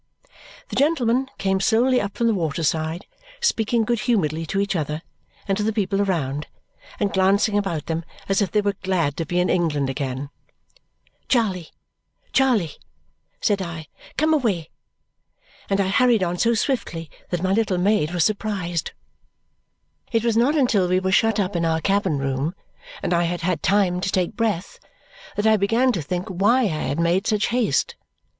The gentlemen came slowly up from the waterside, speaking good humouredly to each other and to the people around and glancing about them as if they were glad to be in England again. "Charley, Charley," said I, "come away!" And I hurried on so swiftly that my little maid was surprised. It was not until we were shut up in our cabin room and I had had time to take breath that I began to think why I had made such haste.